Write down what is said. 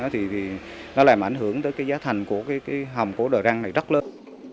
thì nó làm ảnh hưởng tới cái giá thành của cái hồng của đòi răng này rất lớn